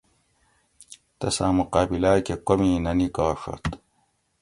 تساں مقابلا کہ کومی نہ نکاڛت